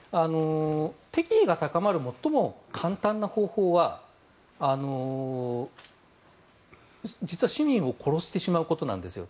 敵意が高まる最も簡単な方法は実は市民を殺してしまうことなんですよ。